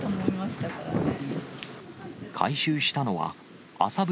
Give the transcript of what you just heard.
回収したのは、重い。